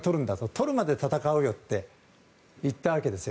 とるまで戦うよって言ったわけですよ。